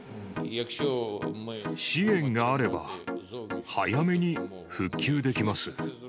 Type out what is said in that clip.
支援があれば、早めに復旧できます。